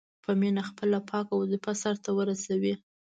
په مینه خپله پاکه وظیفه سرته ورسوي.